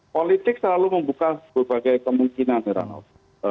politik selalu membuka berbagai kemungkinan ya ranul